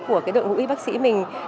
của đội ngũ y bác sĩ mình